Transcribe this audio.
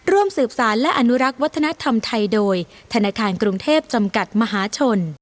ร่วมสืบสารและอนุรักษ์วัฒนธรรมไทยโดยธนาคารกรุงเทพจำกัดมหาชน